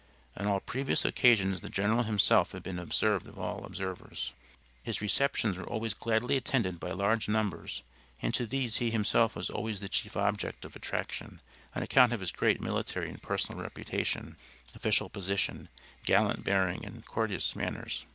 On all previous occasions the general himself had been the observed of all observers. His receptions were always gladly attended by large numbers, and to these he himself was always the chief object of attraction on account of his great military and personal reputation, official position, gallant bearing, and courteous manners.